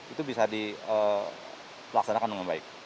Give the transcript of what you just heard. itu bisa dilaksanakan